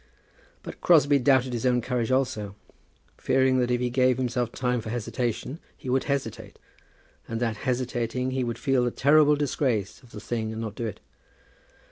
But Crosbie doubted his own courage also, fearing that if he gave himself time for hesitation he would hesitate, and that, hesitating, he would feel the terrible disgrace of the thing and not do it.